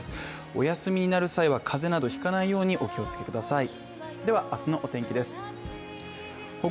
お休みになる際は風邪など引かないようにお気をつけください。